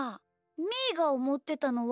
みーがおもってたのは。